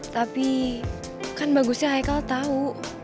tapi kan bagusnya haikal tau